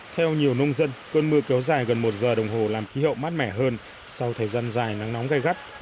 theo nhiều nông dân cơn mưa kéo dài gần một giờ đồng hồ làm khí hậu mát mẻ hơn sau thời gian dài nắng nóng gai gắt